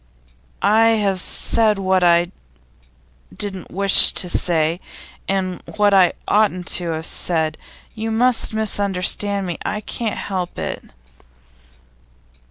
'I have said what I didn't wish to say, and what I oughtn't to have said. You must misunderstand me; I can't help it.